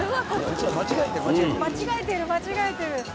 間違えてる間違えてる。